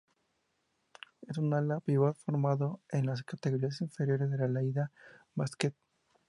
Es un ala-pívot formado en las categorías inferiores del Lleida Basquet.